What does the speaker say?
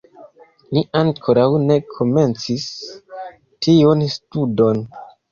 Ni ankoraŭ ne komencis tiun studon.